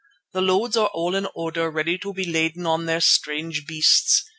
The loads are all in order ready to be laden on their strange beasts.